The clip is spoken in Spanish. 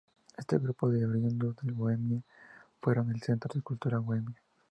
Este grupo de oriundos de Bohemia fueron el centro de la cultura bohemia.